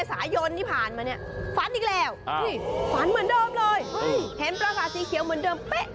สายนที่ผ่านมาเนี่ยฝันอีกแล้วฝันเหมือนเดิมเลยเห็นประสาทสีเขียวเหมือนเดิมเป๊ะ